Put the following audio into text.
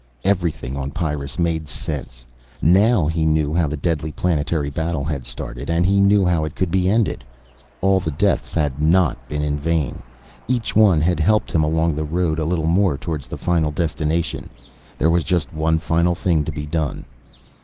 Everything on Pyrrus made sense. Now he knew how the deadly planetary battle had started and he knew how it could be ended. All the deaths had not been in vain. Each one had helped him along the road a little more towards the final destination. There was just one final thing to be done.